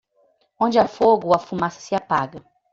Onde há fogo, a fumaça se apaga.